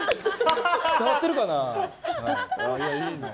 伝わってるかな。